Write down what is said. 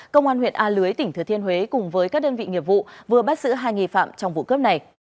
công an huyện a lưới tỉnh thừa thiên huế cùng với các đơn vị nghiệp vụ vừa bắt giữ hai nghi phạm trong vụ cướp này